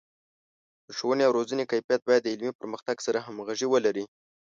د ښوونې او روزنې کیفیت باید د علمي پرمختګ سره همغږي ولري.